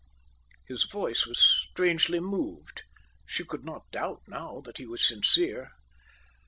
His voice was strangely moved. She could not doubt now that he was sincere.